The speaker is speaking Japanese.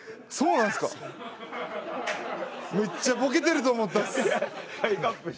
めっちゃボケてると思ったっす。